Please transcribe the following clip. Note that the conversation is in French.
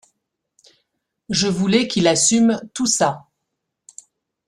Je voulais qu'il assume tout ça.